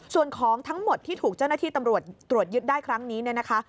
ส่วนของทั้งหมดที่ถูกเจ้าหน้าที่ตำรวจตรวจยึดได้ครั้งนี้เนี่ยนะคะ